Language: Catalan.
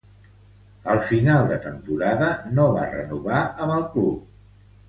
Al final de temporada, no va renovar amb el club.